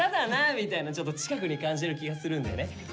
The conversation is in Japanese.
みたいなちょっと近くに感じる気がするんだよね。